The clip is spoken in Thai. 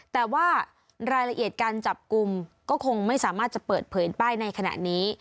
แต่ว่ารายละเอียดการจับกลุ่มก็คงไม่สามารถจะเปิดเผยป้ายในขณะนี้